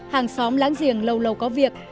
hàng xóm láng giềng lâu lâu có việc